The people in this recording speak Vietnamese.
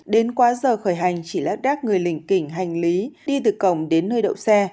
đến quá giờ khởi hành chỉ lát đác người lình hành lý đi từ cổng đến nơi đậu xe